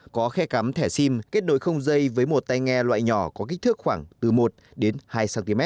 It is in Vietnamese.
có khe cắm thẻ sim kết nối không dây với một tay nghe loại nhỏ có kích thước khoảng từ một đến hai cm